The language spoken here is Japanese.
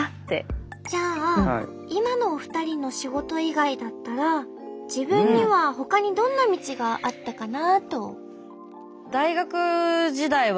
じゃあ今のお二人の仕事以外だったら自分にはほかにどんな道があったかなと。